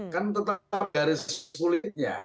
kan tetap garis kulitnya